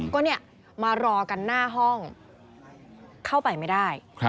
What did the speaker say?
ก็เนี่ยมารอกันหน้าห้องเข้าไปไม่ได้